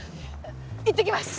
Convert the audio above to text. いってきます！